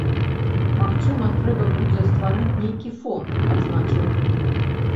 Магчыма, трэба будзе стварыць нейкі фонд, адзначыў ён.